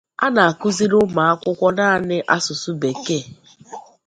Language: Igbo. a na-akụziri ụmụakwụkwọ naanị asụsụ bekee